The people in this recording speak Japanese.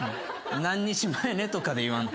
「何日前ね」とかで言わんと。